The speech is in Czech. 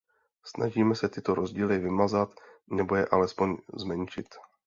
Snažíme se tyto rozdíly vymazat, nebo je alespoň zmenšit.